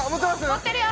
持ってるよ！